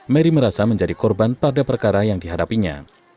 mary merasa menjadi korban pada perkara yang dihadapinya